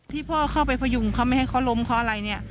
พ่อเข้าไปพยุงเขาไม่ให้เขาล้มเขาอะไรเนี่ย